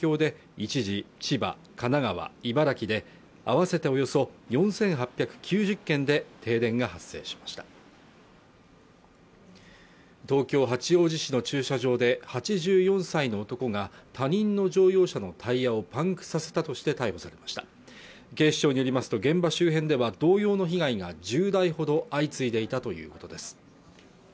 一時千葉神奈川茨城で合わせておよそ４８９０軒で停電が発生しました東京八王子市の駐車場で８４歳の男が他人の乗用車のタイヤをパンクさせたとして逮捕されました警視庁によりますと現場周辺では同様の被害が１０台ほど相次いでいたということです